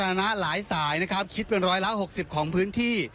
สาธารณะหลายสายนะครับคิดเป็นร้อยละหกสี่ปีของพื้นที่